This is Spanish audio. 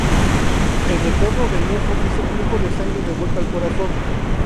El retorno venoso es el flujo de sangre de vuelta al corazón.